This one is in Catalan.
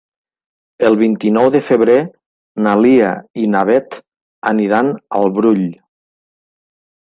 El vint-i-nou de febrer na Lia i na Beth aniran al Brull.